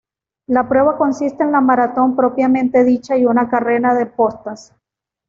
La prueba consiste en la maratón propiamente dicha y una carrera de postas.